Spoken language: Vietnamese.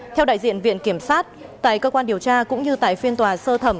theo đại diện viện kiểm sát tại cơ quan điều tra cũng như tại phiên tòa sơ thẩm